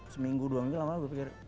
seminggu dua minggu lama lalu gue pikir